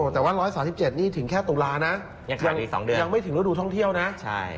แต่ว่า๑๓๗นี่ถึงแค่ตุลานะยังไม่ถึงฤดูท่องเที่ยวนะ